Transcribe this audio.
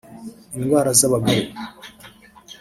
indwara z’abagore